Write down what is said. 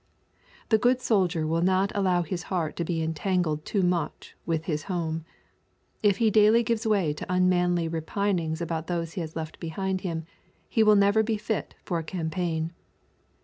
The good soldier will not allow his heart to be entangled too much with his home. If he daily gives way to unmanly repiniDgs about those he has left behind him, he will never be fit for a campaign.